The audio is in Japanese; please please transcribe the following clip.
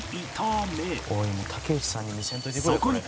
「おいもう竹内さんに見せんといてくれこれ」